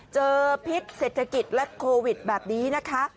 พิษเศรษฐกิจและโควิดแบบนี้นะคะ